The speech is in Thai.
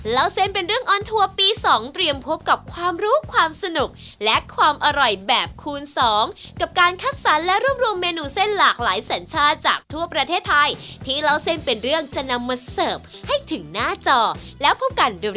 แล้วความรู้ความสนุกและความอร่อยแบบคูณ๒กับการคัดสรรและรวมรวมเมนูเส้นหลากหลายสัญชาติจากทั่วประเทศไทยที่เล่าเส้นเป็นเรื่องจะนำมาเสิร์ฟให้ถึงหน้าจอแล้วพบกันเร็วนี้จ้ะ